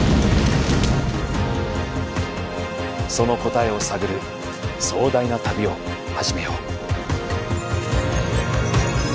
その答えを探る壮大な旅を始めよう。